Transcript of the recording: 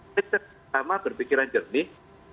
tapi pertama berpikiran jernih